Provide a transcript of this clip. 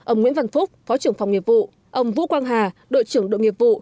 ông nguyễn văn phúc phó trưởng phòng nhiệp vụ ông vũ quang hà đội trưởng đội nhiệp vụ